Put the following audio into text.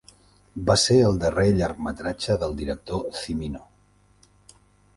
Va ser el darrer llargmetratge del director Cimino.